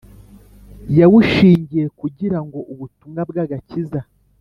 yawushingiye kugira ngo ubutumwa bw Agakiza